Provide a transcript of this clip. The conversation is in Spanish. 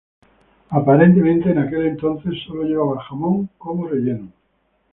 Aparentemente, en aquel entonces sólo llevaba jamón como relleno.